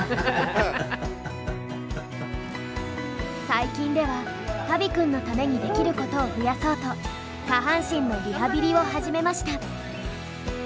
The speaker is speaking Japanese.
最近ではたび君のためにできることを増やそうと下半身のリハビリを始めました。